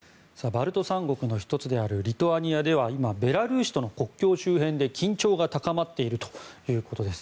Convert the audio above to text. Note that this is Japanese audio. バルト三国の１つであるリトアニアでは今、ベラルーシとの国境周辺で緊張が高まっているということです。